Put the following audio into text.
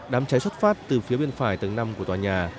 đám cháy xuất phát từ phía bên phải tầng năm của tòa nhà